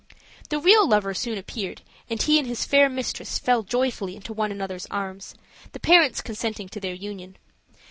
The real lover soon appeared, and he and his fair mistress fell joyfully into one another's arms, the parents consenting to their union.